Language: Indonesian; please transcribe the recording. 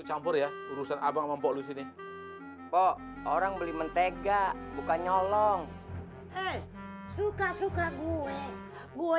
campur ya urusan abang abang polisi nih orang beli mentega bukan nyolong suka suka gue gue